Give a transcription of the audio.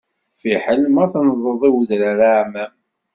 Fiḥel ma tennḍeḍ i udrar aɛmam.